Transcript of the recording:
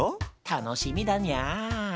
楽しみだにゃー。